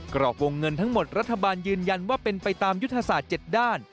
กรอกวงเงินทั้งหมดรัฐบาลยืนยันว่าเป็นไปตามยุทธศาสตร์๗ด้าน